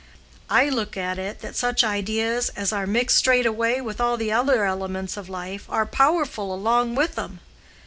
I look at it, that such ideas as are mixed straight away with all the other elements of life are powerful along with 'em.